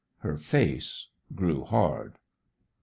Her face grew hard.